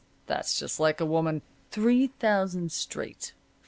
That's just like a woman. Three thousand straight.